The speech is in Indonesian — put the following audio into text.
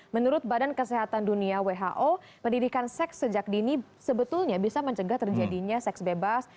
menurut badan kesehatan dunia who pendidikan seks sejak dini sebetulnya bisa mencegah terjadinya seks bebas